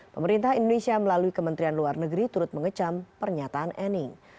pemerintah indonesia melalui kementerian luar negeri turut mengecam pernyataan ening